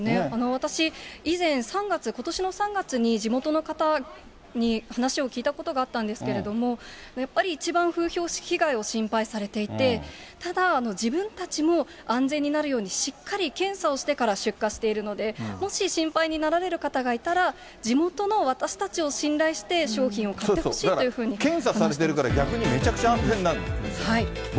私、以前３月、ことしの３月に地元の方に話を聞いたことがあったんですけれども、やっぱり一番風評被害を心配されていて、ただ、自分たちも安全になるようにしっかり検査をしてから出荷しているので、もし心配になられる方がいたら、地元の私たちを信頼して、商品を買ってほしいというふうに話していました。